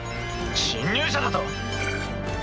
侵入者だと？